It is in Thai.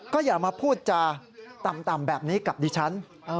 ก็อย่ามาพูดจาต่ำแบบนี้กับดิฉัน